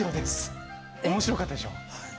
面白かったでしょ。